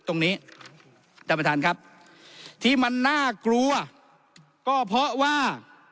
ท่านประธานครับที่มันน่ากลัวก็เพราะว่า